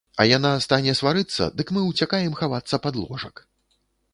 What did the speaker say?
А яна стане сварыцца, дык мы ўцякаем хавацца пад ложак.